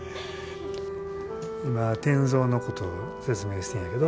今転造のことを説明してんやけど。